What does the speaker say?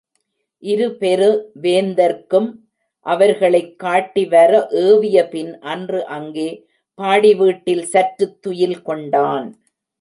இருபெரு வேந்தர்க்கும் அவர்களைக் காட்டிவர ஏவிய பின் அன்று அங்கே பாடி வீட்டில் சற்றுத் துயில் கொண்டான்.